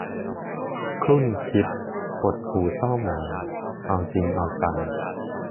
ครุ่นคิด หดหู่เศร้าหมอง เอาจริงเอาจัง